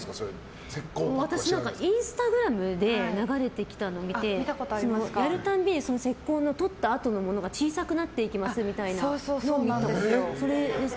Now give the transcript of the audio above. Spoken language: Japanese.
インスタグラムで流れてきたのを見てやるたびに石膏の取ったあとのものが小さくなっていきますというのを見たことがあります。